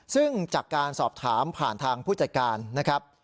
ซึ่งจากการสอบถามผ่านทางผู้จัดการนะครับ